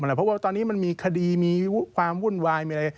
เพราะว่าตอนนี้มันมีคดีมีความวุ่นวายมีอะไร